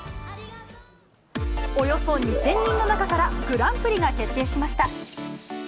およそ２０００人の中から、グランプリが決定しました。